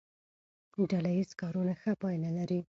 ډله ییز کارونه ښه پایله لري.